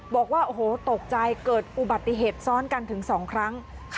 บอกว่าโอ้โหตกใจเกิดอุบัติเหตุซ้อนกันถึง๒ครั้ง